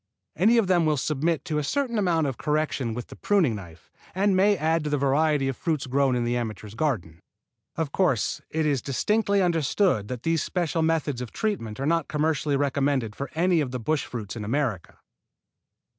Any of them will submit to a certain amount of correction with the pruning knife, and may add to the variety of fruits grown in the amateur's garden. Of course, it is distinctly understood that these special methods of treatment are not commercially recommended for any of the bush fruits in America.